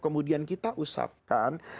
kemudian kita usapkan